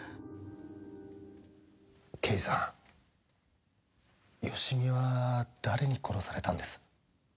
刑事さん芳美は誰に殺されたんです？